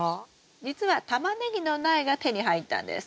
実はタマネギの苗が手に入ったんです。